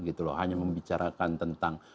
gitu loh hanya membicarakan tentang